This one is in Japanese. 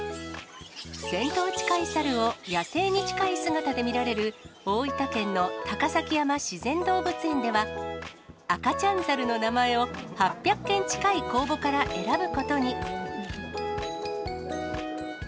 １０００頭近い猿を野生に近い姿で見られる大分県の高崎山自然動物園では、赤ちゃん猿の名前を、８００件近い公募から選ぶことに。